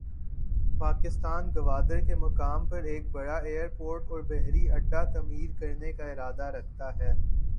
پاکستان گوادر کے مقام پر ایک بڑا ایئرپورٹ اور بحری اڈہ تعمیر کرنے کا ارادہ رکھتا ہے۔